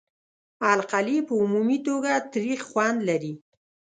القلي په عمومي توګه تریخ خوند لري.